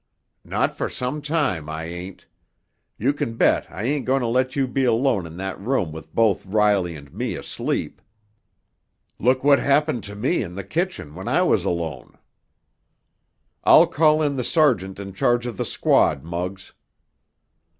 "Not for some time, I ain't. You can bet I ain't goin' to let you be alone in that room with both Riley and me asleep. Look what happened to me in the kitchen when I was alone!" "I'll call in the sergeant in charge of the squad, Muggs."